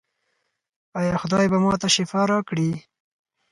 ایا خدای به ما ته شفا راکړي؟